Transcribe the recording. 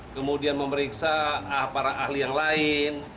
kemudian memeriksa para ahli yang lain